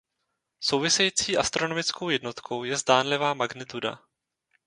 Související astronomickou jednotkou je zdánlivá magnituda.